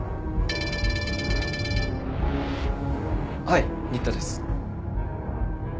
はい新田です。